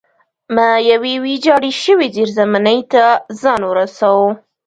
ما یوې ویجاړې شوې زیرزمینۍ ته ځان ورساوه